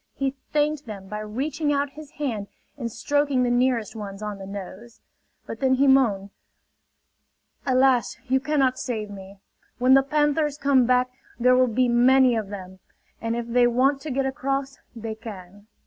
He thanked them by reaching out his hand and stroking the nearest ones on the nose. But then he moaned: "Alas! You cannot save me! When the panthers come back there will be many of them; and if they want to get across they can."